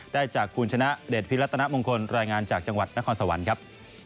ได้จากคุณชนะเดชพิรัตนมงคลรายงานจากจังหวัดนครสวรรค์ครับ